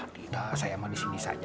tidak saya emang di sini saja